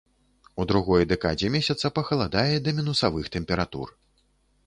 У другой дэкадзе месяца пахаладае да мінусавых тэмператур.